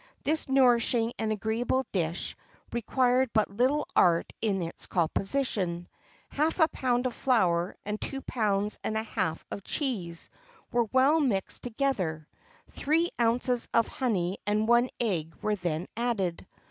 This nourishing and agreeable dish required but little art in its composition. Half a pound of flour and two pounds and a half of cheese were well mixed together; three ounces of honey and one egg were then added.